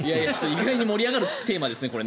意外に盛り上がるテーマですね。